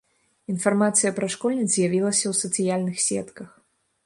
Інфармацыя пра школьніц з'явілася ў сацыяльных сетках.